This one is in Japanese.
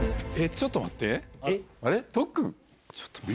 ちょっと待って。